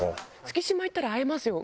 月島行ったら会えますよ